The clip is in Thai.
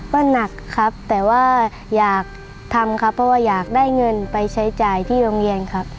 ก็หนักครับแต่ว่าอยากทำครับเพราะว่าอยากได้เงินไปใช้จ่ายที่โรงเรียนครับ